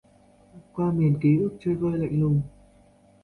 Qua miền ký ức chơi vơi lạnh lùng